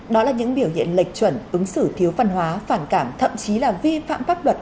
đó là những biểu hiện lệch chuẩn ứng xử thiếu văn hóa phản cảm thậm chí là vi phạm pháp luật